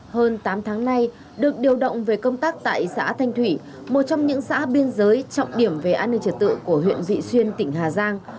hơn tám tháng nay được điều động về công tác tại xã thanh thủy một trong những xã biên giới trọng điểm về an ninh trật tự của huyện vị xuyên tỉnh hà giang